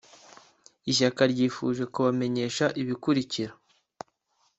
Ishyaka ryifuje kubamenesha ibikulikira